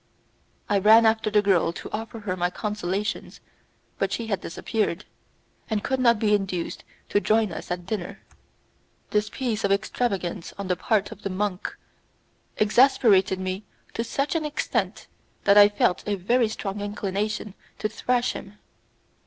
I ran after the girl to offer her my consolations, but she had disappeared, and could not be induced to join us at dinner. This piece of extravagance on the part of the monk exasperated me to such an extent that I felt a very strong inclination to thrash him.